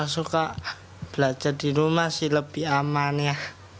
suka belajar di rumah sih lebih aman ya